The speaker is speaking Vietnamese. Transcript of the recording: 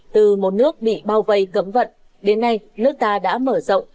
từ một nước bị bao vây cấm vận đến nay nước ta đã mở rộng